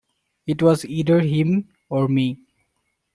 It was either him or me.